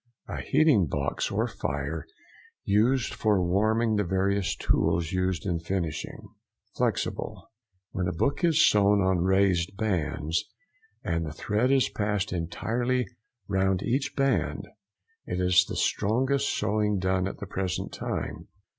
—A heating box or fire used for warming the various tools used in finishing. FLEXIBLE.—When a book is sewn on raised bands, and the thread is passed entirely round each band. It is the strongest sewing done at the present time.